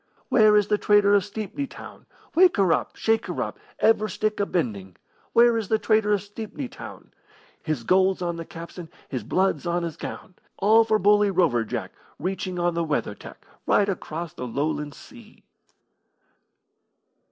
Where is the trader of Stepney Town? Wake her up! Shake her up! Every stick a bending! Where is the trader of Stepney Town? His gold's on the capstan, his blood's on his gown, All for bully Rover Jack, Reaching on the weather tack Right across the Lowland Sea.